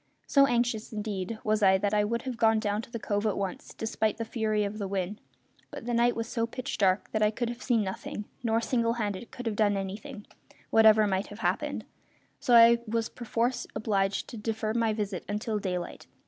So anxious, indeed, was I that I would have gone down to the cove at once, despite the fury of the wind, but the night was so pitch dark that I could have seen nothing; nor, single handed, could I have done anything, whatever might have happened; so I was perforce obliged to defer my visit until daylight.